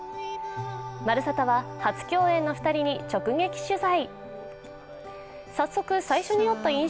「まるサタ」は初共演の２人に直撃取材。